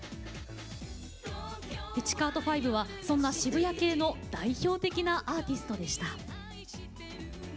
ピチカート・ファイヴはそんな渋谷系の代表的なアーティストでした。